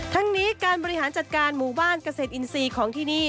ทั้งนี้การบริหารจัดการหมู่บ้านเกษตรอินทรีย์ของที่นี่